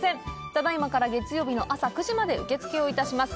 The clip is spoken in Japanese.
ただいまから月曜日のあさ９時まで受付を致します